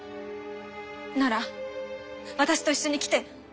なら私と一緒に来て。